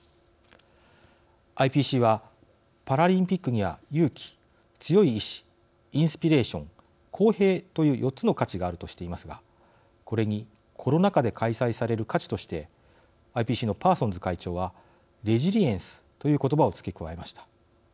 ＩＰＣはパラリンピックには勇気、強い意志インスピレーション、公平という４つの価値があるとしていますがこれにコロナ禍で開催される価値としてＩＰＣのパーソンズ会長はレジリエンスということばを付け加えました。